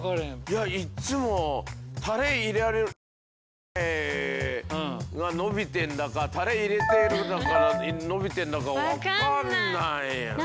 いやいっつもタレ入れる前が伸びてんだかタレ入れて伸びてんだか分かんない。